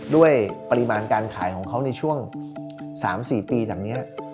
ด้วยปริมาณการขายของเขาในช่วง๓๔ปีจากนี้